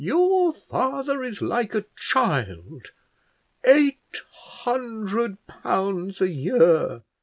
"Your father is like a child. Eight hundred pounds a year!